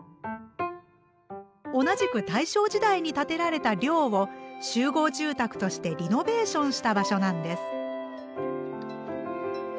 同じく大正時代に建てられた寮を集合住宅としてリノベーションした場所なんです。